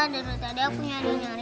darulah tadi aku nyari nyari